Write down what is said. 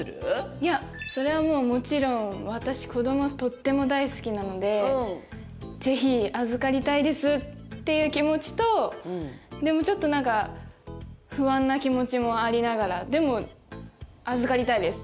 いやそれはもうもちろん私子どもとっても大好きなのでぜひ預かりたいですっていう気持ちとでもちょっと何か不安な気持ちもありながらでも預かりたいです！